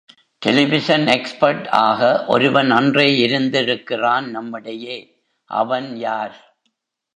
Television expert ஆக ஒருவன் அன்றே இருந்திருக்கிறான் நம்மிடையே, அவன் யார்?